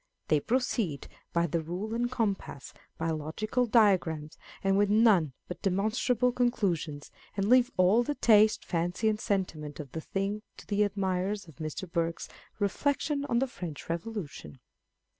They proceed by the rule and compass, by logical diagrams, and with none but demonstrable conclu sions, and leave all the taste, fancy, and sentiment of the thing to the admirers of Mr. Burke's Reflections on the French Revolution.